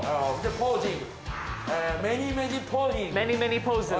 ポージング。